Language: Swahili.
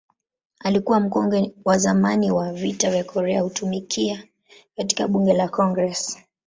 Alikuwa mkongwe wa zamani wa Vita vya Korea kutumikia katika Bunge la Congress.